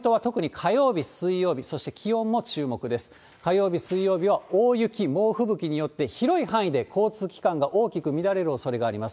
火曜日、水曜日は大雪、猛吹雪によって広い範囲で交通機関が大きく乱れるおそれがあります。